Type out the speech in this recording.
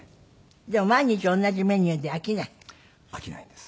でも毎日同じメニューで飽きない？飽きないんです。